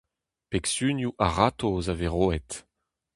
Pegsunioù a-ratozh a vez roet.